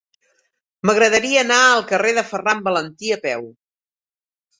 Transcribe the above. M'agradaria anar al carrer de Ferran Valentí a peu.